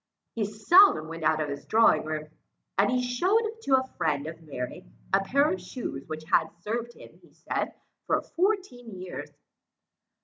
He seldom went out of his drawing room, and he showed to a friend of Mary a pair of shoes, which had served him, he said, for fourteen years.